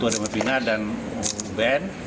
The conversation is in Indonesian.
dewan pemina dan bn